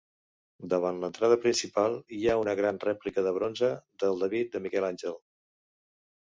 Davant l'entrada principal hi ha una gran rèplica de bronze del David de Miquel Àngel.